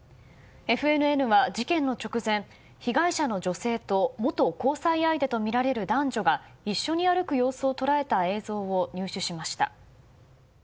ＦＮＮは事件の直前被害者の女性と元交際相手とみられる男女が一緒に歩く様子を捉えた映像を入手しました。